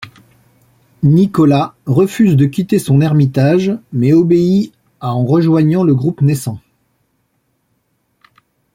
Nicolas refuse de quitter son ermitage, mais obéit à en rejoignant le groupe naissant.